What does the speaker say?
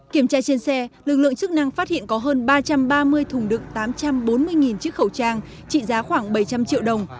kiểm tra trên xe lực lượng chức năng phát hiện có hơn ba trăm ba mươi thùng đựng tám trăm bốn mươi chiếc khẩu trang trị giá khoảng bảy trăm linh triệu đồng